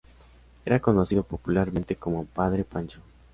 Era conocido popularmente como "Padre Pancho".